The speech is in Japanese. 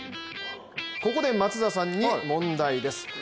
ここで松田さんに問題です。